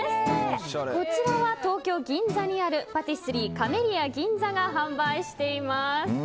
こちらは東京・銀座にあるパティスリーカメリア銀座が販売しています。